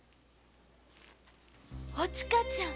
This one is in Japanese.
おちかちゃん